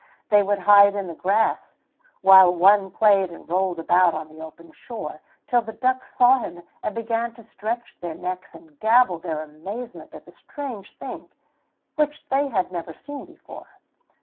They would hide in the grass, while one played and rolled about on the open shore, till the ducks saw him and began to stretch their necks and gabble their amazement at the strange thing, which they had never seen before.